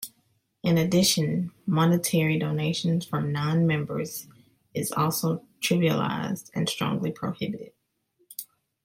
In addition, monetary donations from non-members is also trivialized and strongly prohibited.